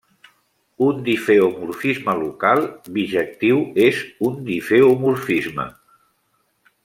Un difeomorfisme local bijectiu és un difeomorfisme.